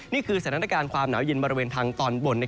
นี่คือสถานการณ์ความหนาวเย็นบริเวณทางตอนบน